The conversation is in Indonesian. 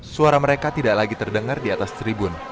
suara mereka tidak lagi terdengar di atas tribun